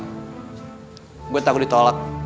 gue takut ditolak